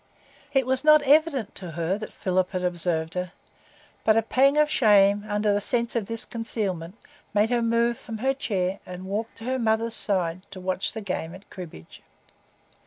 It was not evident to her that Philip had observed her; but a pang of shame, under the sense of this concealment, made her move from her chair and walk to her mother's side to watch the game at cribbage.